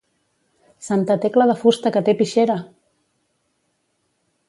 Santa Tecla de fusta que té pixera!